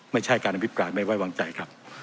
ไม่ใช่การอภิปรายไม่ไว้วางใจครับ